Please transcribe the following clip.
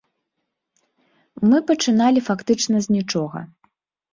Мы пачыналі фактычна з нічога.